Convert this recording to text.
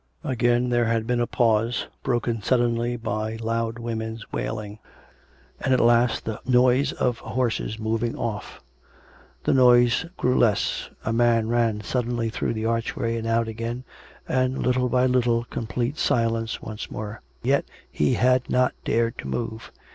Again there had been a pause, broken suddenly by loud women's wailing. And at last the noise of horses moving off; the noise grew less; a man ran suddenly through the archway and out again, and, little by little, complete silence once more. Yet he had not dared to move.